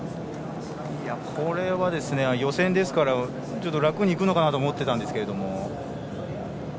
これは予選ですから楽にいくのかなと思っていたんですけど。